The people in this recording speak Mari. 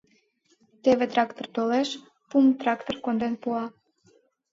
Теве трактор толеш, пум трактор конден пуа.